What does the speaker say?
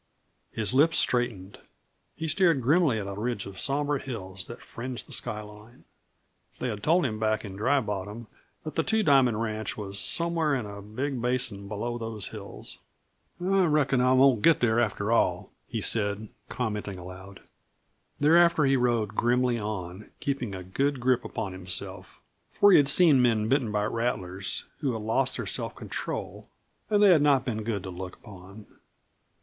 His lips straightened, he stared grimly at a ridge of somber hills that fringed the skyline. They had told him back in Dry Bottom that the Two Diamond ranch was somewhere in a big basin below those hills. "I reckon I won't get there, after all," he said, commenting aloud. Thereafter he rode grimly on, keeping a good grip upon himself for he had seen men bitten by rattlers who had lost their self control and they had not been good to look upon.